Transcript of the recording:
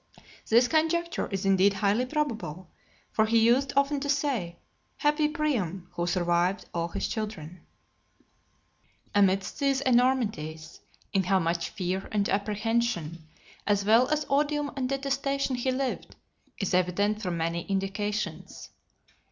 This conjecture is indeed highly probable; for he used often to say, "Happy Priam, who survived all his children!" LXIII. Amidst these enormities, in how much fear and apprehension, as well as odium and detestation, he lived, is evident from many indications.